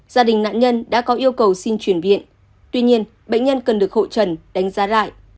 gia đình nạn nhân đã có yêu cầu xin chuyển viện tuy nhiên bệnh nhân cần được hội trần đánh giá lại